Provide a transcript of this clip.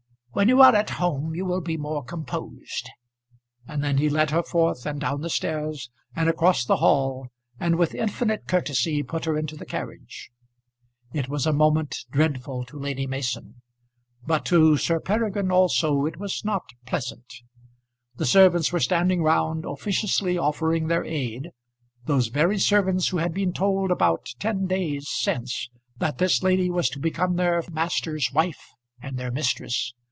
When you are at home you will be more composed." And then he led her forth, and down the stairs, and across the hall, and with infinite courtesy put her into the carriage. It was a moment dreadful to Lady Mason; but to Sir Peregrine, also, it was not pleasant. The servants were standing round, officiously offering their aid, those very servants who had been told about ten days since that this lady was to become their master's wife and their mistress.